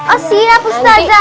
oh siap ustadzah